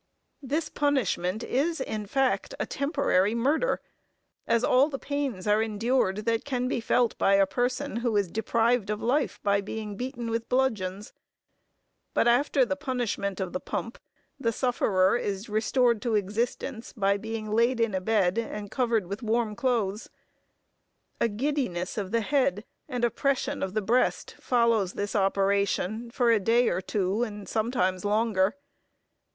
This punishment is in fact a temporary murder; as all the pains are endured, that can be felt by a person who is deprived of life by being beaten with bludgeons; but after the punishment of the pump, the sufferer is restored to existence by being laid in a bed, and covered with warm clothes. A giddiness of the head, and oppression of the breast, follows this operation, for a day or two, and sometimes longer.